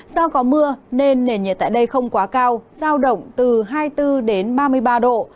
do có mưa nên nền nhiệt tại đây không quá cao giao động từ hai mươi bốn đến ba mươi ba độ